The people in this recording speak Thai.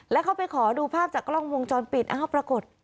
แล้วเขาไปขอดูภาพจากกล้องวงจรปิดอ้าวปรากฏ